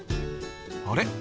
あれ？